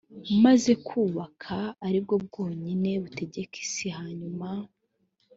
maze bukaba ari bwo bwonyine butegeka isi hanyuma